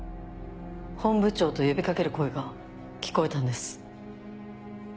「本部長」と呼び掛ける声が聞こえたんです。